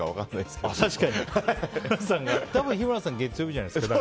だから、日村さんも多分、月曜日じゃないですか。